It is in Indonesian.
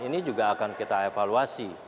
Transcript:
ini juga akan kita evaluasi